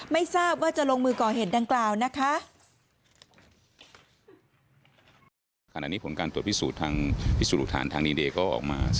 ไม่ทราบว่าจะลงมือก่อเหตุดังกล่าวนะคะ